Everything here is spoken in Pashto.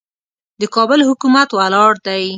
د کابل حکومت ولاړ دی.